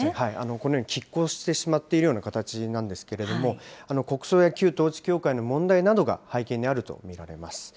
このようにきっ抗してしまっているような形なんですけれども、国葬や旧統一教会の問題などが背景にあると見られます。